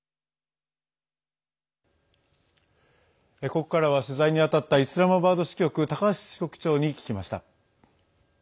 ここからは取材に当たったイスラマバード支局高橋支局長に聞きました。